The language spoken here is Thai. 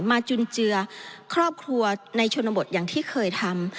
จุนเจือครอบครัวในชนบทอย่างที่เคยทำ